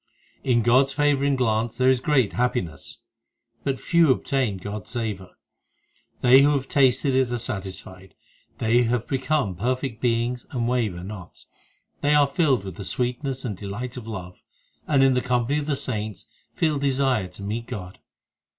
In God s favouring glance there is great happiness. But few obtain God s savour ;* They who have tasted it are satisfied, They have become perfect beings and waver not, They are filled with the sweetness and delight of love, And in the company of the saints feel desire to meet God.